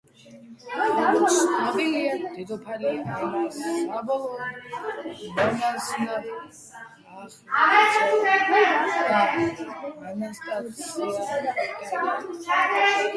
როგორც ცნობილია დედოფალი ანა საბოლოოდ მონაზვნად აღიკვეცა და ანასტასია დაირქვა.